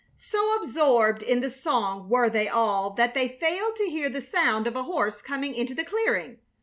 So absorbed in the song were they all that they failed to hear the sound of a horse coming into the clearing.